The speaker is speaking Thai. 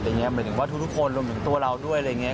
หมายถึงว่าทุกคนรวมถึงตัวเราด้วยอะไรอย่างนี้